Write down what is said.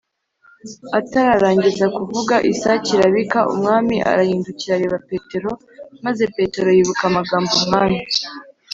atararangiza kuvuga isake irabika Umwami arahindukira areba Petero maze Petero yibuka amagambo Umwami